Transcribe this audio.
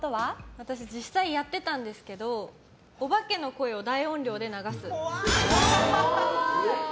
私、実際やってたんですけどお化けの声を大音量で流す。